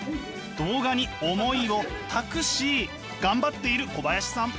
動画に思いを託し頑張っている小林さん。